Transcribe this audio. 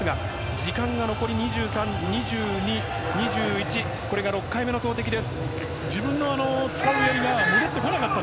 時間が残り少なくこれが６回目の投てきです。